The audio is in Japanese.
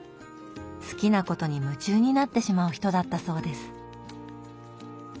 好きなことに夢中になってしまう人だったそうです。